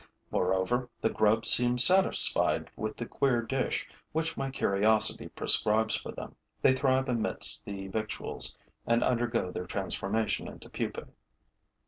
Moreover, the grubs seem satisfied with the queer dish which my curiosity prescribes for them; they thrive amidst the victuals and undergo their transformation into pupae.